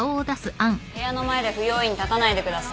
部屋の前で不用意に立たないでください。